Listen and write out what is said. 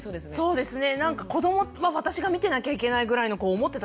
そうですね。